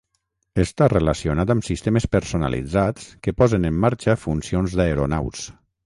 Està relacionat amb sistemes personalitzats que posen en marxa funcions d'aeronaus.